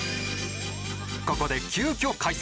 ここで急きょ開催